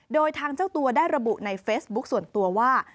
โดยทางเจ้าตัวได้ระบุในเฟซบุ๊คส่วนตัวว่า